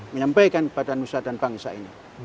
menyampaikan kepada nusa dan bangsa ini